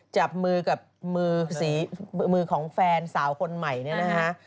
จับมือกับมือของแฟนสาวคนใหม่เนี่ยนะฮะ